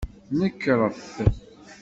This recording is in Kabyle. Nekret!